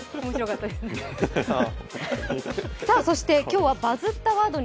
そして今日は「バズったワード」に